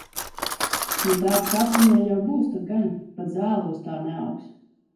Nu tāds kaps viņai jau būs, tad gan. Pat zāle uz tā neaugs.